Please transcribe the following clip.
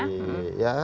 supaya tidak reapply ya